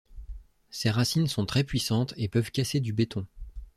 Ses racines sont très puissantes et peuvent casser du béton.